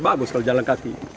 bagus kalau jalan kaki